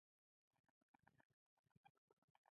چې دا بوتلونه له دې ځایه وباسه، اوس څه شول؟